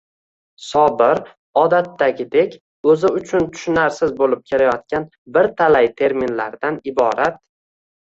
Sobir, odatdagidek, o‘zi uchun tushunarsiz bo‘lib kelayotgan bir talay terminlardan iborat